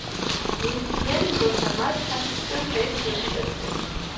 მიხვდნენ, როცა მათ თასისკენ ხელით მიუთითებდნენ.